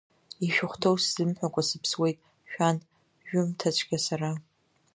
Ишәыхәҭоу сзымҳәакәа сыԥсуеит, Шәан жәымҭацәгьа сара.